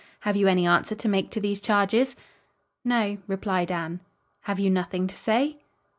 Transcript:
Have you any answer to make to these charges?" "No," replied Anne. "Have you nothing to say?"